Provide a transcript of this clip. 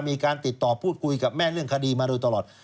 มีการติดต่อพูดคุยกับแม่เรื่องคดีมาโดยตลอด